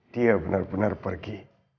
dia benar benar pergi